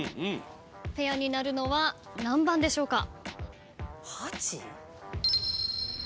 ペアになるのは何番でしょうか？